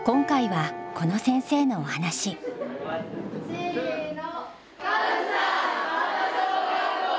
せの。